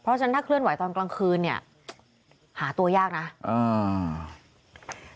เพราะฉะนั้นถ้าเคลื่อนไหวตอนกลางคืนเนี้ยหาตัวยากนะอ่า